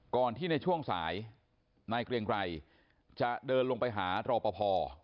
ก่อนที่ในช่วงสายนายเกรียงไกรจะเดินลงไปหารอปภ